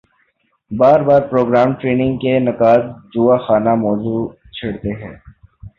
باربار programme trading کے نقّاد جواخانہ موضوع چھیڑتے ہیں